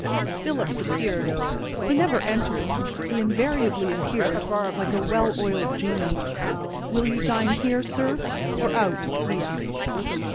Phillips appeared. He never entered; he invariably appeared, like a well oiled genie. "Will you dine here, sir, or out?" he asked.